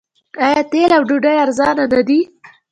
آیا تیل او ډوډۍ ارزانه نه دي؟